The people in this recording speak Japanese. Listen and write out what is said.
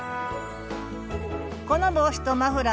この帽子とマフラーの作り方